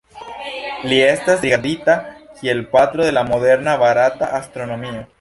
Li estas rigardita kiel "Patro de la moderna barata astronomio".